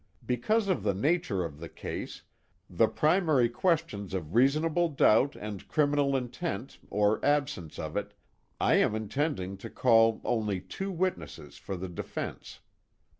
"Because of the nature of the case, the primary questions of reasonable doubt and criminal intent or absence of it, I am intending to call only two witnesses for the defense.